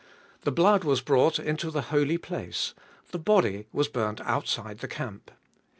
The blood was brought into the Holy Place ; the body was burnt outside the camp.